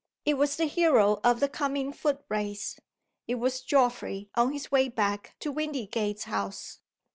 It was the hero of the coming foot race. It was Geoffrey on his way back to Windygates House.